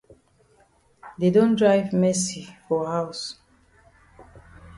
Dey don drive Mercy for haus.